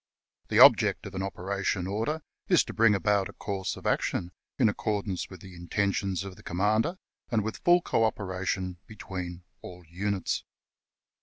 The object of an operation order is to bring about a course of action in accordance with the intentions of the commander, and with full co operation between all units.